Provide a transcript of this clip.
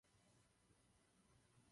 Hlavním městem je Van.